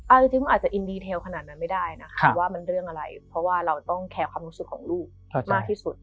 เอาจริงมันอาจจะอินดีเทลขนาดนั้นไม่ได้นะคะว่ามันเรื่องอะไรเพราะว่าเราต้องแคร์ความรู้สึกของลูกมากที่สุด